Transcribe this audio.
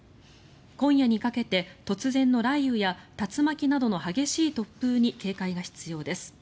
今夜にかけて突然の雷雨や竜巻などの激しい突風に警戒が必要です。